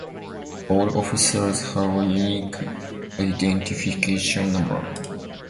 All officers have a unique identification number.